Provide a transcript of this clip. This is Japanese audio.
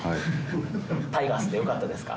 タイガースでよかったですか？